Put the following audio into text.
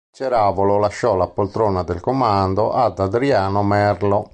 Ceravolo lasciò la poltrona del comando ad Adriano Merlo.